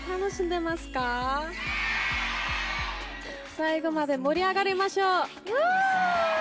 最後まで盛り上がりましょう！